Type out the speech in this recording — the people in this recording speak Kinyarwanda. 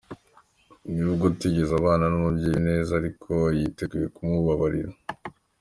N’ubwo atigeze abana n’umubyeyi we neza ariko, ngo yiteguye kumubabarira.